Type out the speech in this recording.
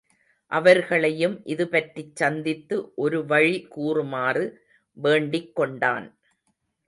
அவர்களையும் இதுபற்றிச் சந்தித்து ஒரு வழி கூறுமாறு வேண்டிக் கொண்டான்.